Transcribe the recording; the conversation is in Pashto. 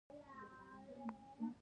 نه، لویه یې کړه، ډېر ښه خوند به وکړي.